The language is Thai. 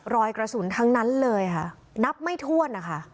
รอยกระสุนทั้งนั้นเลยค่ะนับไม่ถ้วนนะคะ